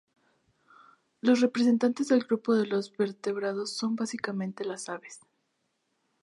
Los representantes del grupo de los vertebrados son básicamente las aves.